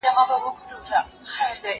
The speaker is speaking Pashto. زه اوږده وخت سبزیحات تياروم وم؟!